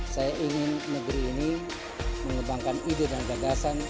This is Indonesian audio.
saya ingin negeri ini mengembangkan ide dan gagasan